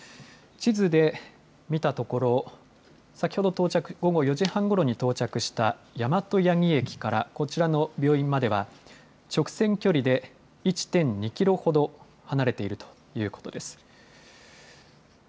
地図で見たところ、先ほど午後４時半ごろに到着した大和八木駅から、こちらの病院までは、直線距離で１．２キロほど離れているということです。